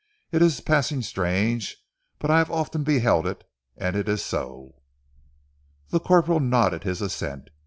It is passing strange, but I hev' often beheld it, and it is so!" The corporal nodded his assent.